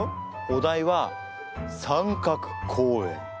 お題は「三角公園」。